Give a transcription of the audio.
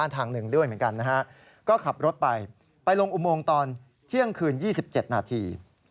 แต่ก็ก็ขับรถไปกลายลงอุโมงตอนเที่ยงคืน๒๗นาที